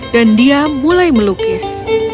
dan dia mulai melukis